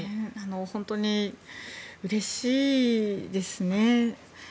本当にうれしいですね。